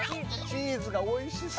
チーズがおいしそう！